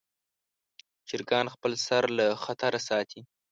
چرګان خپل سر له خطره ساتي.